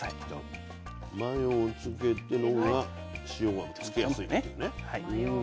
マヨをつけてのほうが塩はつきやすいんですよね。